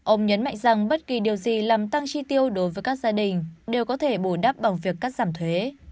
ông nhấn mạnh rằng bất kỳ điều gì làm tăng chi tiêu đối với các gia đình đều có thể bù đắp bằng việc cắt giảm thuế